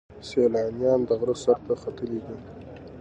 سیلانیان د غره سر ته ختلي دي.